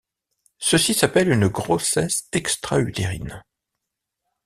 Ceci s'appelle une grossesse extra-utérine.